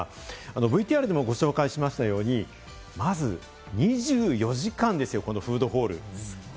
ＶＴＲでもご紹介しましたように、まず２４時間ですよ、このフードホール。